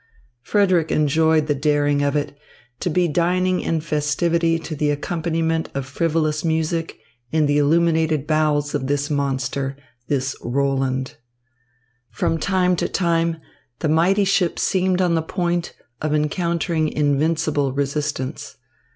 Frederick enjoyed the daring of it to be dining in festivity to the accompaniment of frivolous music in the illuminated bowels of this monster, this Roland. From time to time the mighty ship seemed on the point of encountering invincible resistance.